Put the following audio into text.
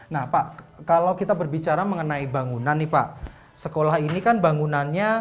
nah pak kalau kita berbicara mengenai bangunan nih pak sekolah ini kan bangunannya